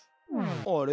あれ？